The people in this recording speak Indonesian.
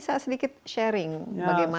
setelah kondisi film